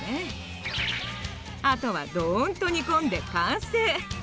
あとはドンと煮込んで完成！